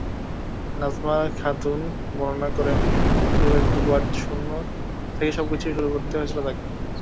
নাজমা খাতুন বর্ণনা করেন কীভাবে দুবার শূন্য থেকে সবকিছু শুরু করতে হয়েছিল তাঁকে।